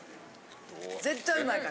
絶対うまいから。